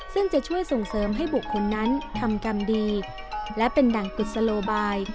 ซึ่งจะช่วยส่งเสริมให้บุคคลนั้นทำกรรมดีและเป็นดังกุศโลบาย